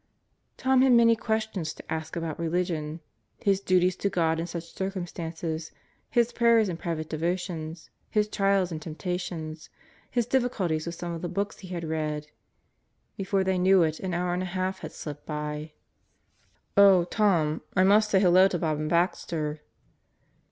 Tom had many questions to ask about religion; his duties to God in such circum stances, his prayers and private devotions, his trials and tempta tions, his difficulties with some of the books he had read. Before they knew it, an hour and a half had slipped by. "Oh, Tom, I must say hello to Bob and Baxter."